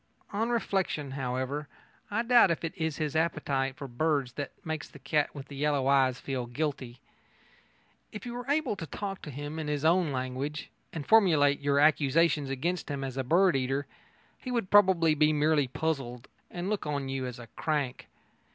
On reflection, however, I doubt if it is his appetite for birds that makes the cat with the yellow eyes feel guilty. If you were able to talk to him in his own language, and formulate your accusations against him as a bird eater, he would probably be merely puzzled and look on you as a crank.